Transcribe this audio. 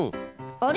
あれ？